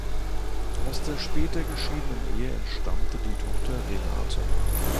Aus der später geschiedenen Ehe entstammte die Tochter Renate.